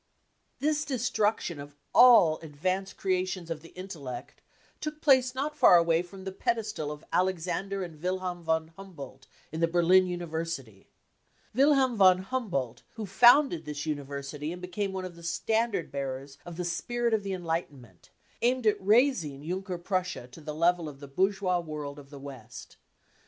33 172 BROWN BOOK OF THE HITLER TERROR This destruction of all advanced creations of the intellect took place not far away from the pedestal of Alexander and Wilhelm von Humboldt in the Berlin University. Wilhelm von Humboldt, who founded this university and became one of the standard bearers of the spirit of the Enlightenment, aimed at raising Junker Prussia to the level of the bourgeois world of the West.